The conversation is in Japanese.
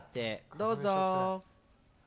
どうぞ。